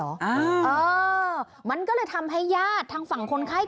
เออมันก็เลยทำให้ญาติทางฝั่งคนไข้